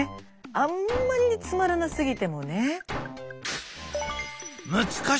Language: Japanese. あんまりにつまらなすぎてもね。